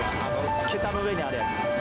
桁の上にあるやつ。